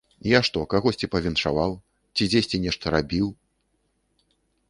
Я што, кагосьці павіншаваў ці дзесьці нешта рабіў?!